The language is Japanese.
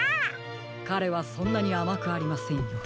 かれはそんなにあまくありませんよ。